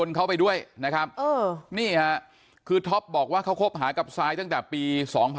นี่ฮะคือท็อปบอกว่าเขาคบหากับซายตั้งแต่ปี๒๕๖๒